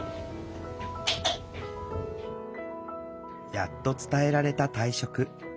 やっと伝えられた退職。